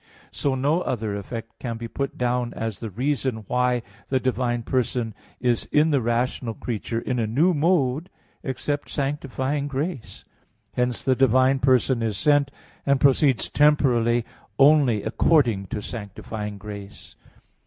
So no other effect can be put down as the reason why the divine person is in the rational creature in a new mode, except sanctifying grace. Hence, the divine person is sent, and proceeds temporally only according to sanctifying grace.